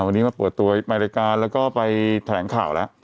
วันนี้มาเปิดตัวมารายการแล้วก็ไปแถลงข่าวแล้ว